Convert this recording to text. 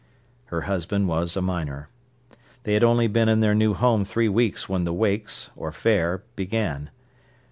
Her husband was a miner. They had only been in their new home three weeks when the wakes, or fair, began.